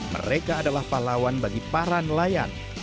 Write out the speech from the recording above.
mereka adalah pahlawan bagi para nelayan